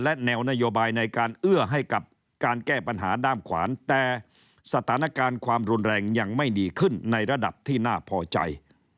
และแนวนโยบายในการเอื้อให้กับการแก้ปัญหาด้ามขวานแต่สถานการณ์ความรุนแรงยังไม่ดีขึ้นในระดับที่น่าพอใจ